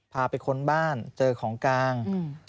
พาไปค้นบ้านเจอของกลาง